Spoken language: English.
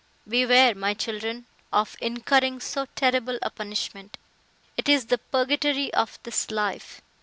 Beware, my children, of incurring so terrible a punishment—it is the purgatory of this life!